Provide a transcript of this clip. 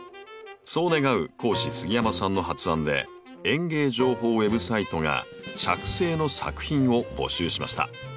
そう願う講師杉山さんの発案で園芸情報ウェブサイトが着生の作品を募集しました。